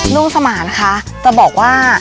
ลุงสมานคะจะบอกว่า